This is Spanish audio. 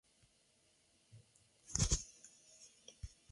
El Distrito Escolar de East Orange gestiona escuelas públicas.